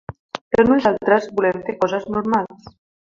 Però nosaltres volem fer coses normals.